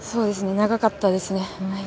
長かったですね。